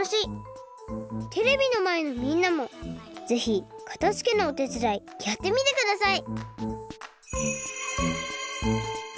テレビのまえのみんなもぜひかたづけのおてつだいやってみてください！